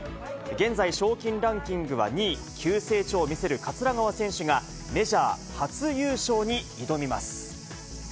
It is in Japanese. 現在、賞金ランキングは２位、急成長を見せる桂川選手が、メジャー初優勝に挑みます。